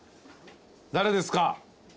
誰ですか？